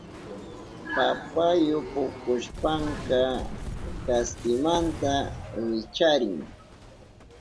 Papayu pukushpanka kaspimanta wicharin.